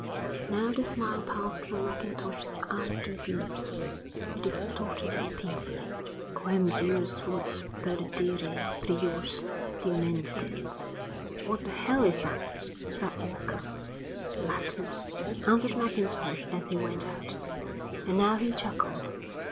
Now the smile passed from Mackintosh's eyes to his lips. It distorted them painfully. "Quem deus vult perdere prius dementat." "What the hell is that?" said Walker. "Latin," answered Mackintosh as he went out. And now he chuckled.